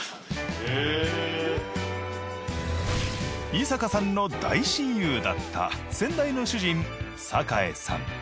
伊坂さんの大親友だった先代の主人栄さん。